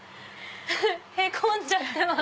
へこんじゃってます！